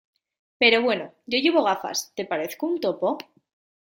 ¡ pero bueno! yo llevo gafas. ¿ te parezco un topo?